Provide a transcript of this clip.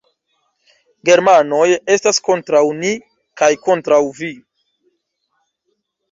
Germanoj estas kontraŭ ni kaj kontraŭ vi.